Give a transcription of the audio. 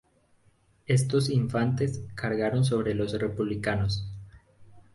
Estos infantes cargaron sobre los republicanos.